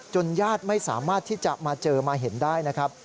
ญาติไม่สามารถที่จะมาเจอมาเห็นได้นะครับ